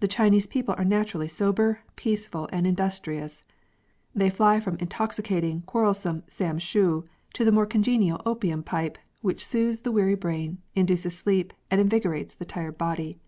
The Chinese people are naturally sober, peaceful, and industrious; they fly from intoxicating, quarrelsome samshoo, to the more congenial opium pipe, which soothes the weary brain, induces sleep, and invigorates the tired body.